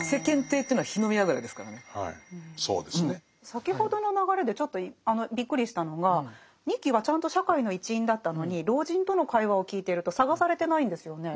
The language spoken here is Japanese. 先ほどの流れでちょっとびっくりしたのが仁木はちゃんと社会の一員だったのに老人との会話を聞いていると探されてないんですよね。